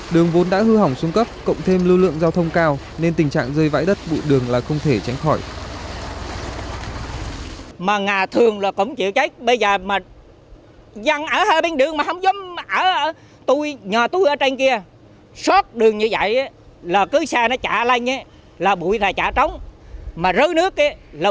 đường vốn đã hư hỏng xuống cấp cộng thêm lưu lượng giao thông cao nên tình trạng dây vãi đất bụi đường là không thể tránh khỏi